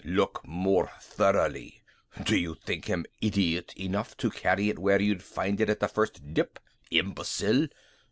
"Look more thoroughly. Did you think him idiot enough to carry it where you'd find it at the first dip? Imbecile!"